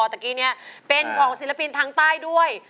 ตะกี้เนี่ยเป็นของศิลปินทางใต้ด้วย